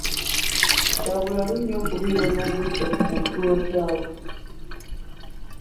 Kya bulalu nnyo okubeera n'obuggya ku muntu gwe wakyawa.